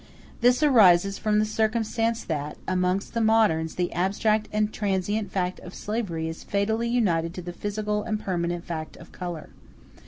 This arises from the circumstance that, amongst the moderns, the abstract and transient fact of slavery is fatally united to the physical and permanent fact of color.